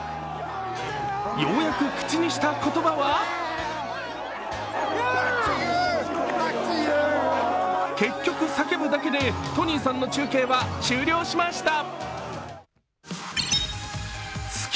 ようやく口にした言葉は結局、叫ぶだけでトニーさんの中継は終了しました。